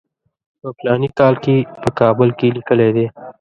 په فلاني کال کې په کابل کې لیکلی دی.